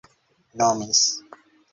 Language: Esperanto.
nomis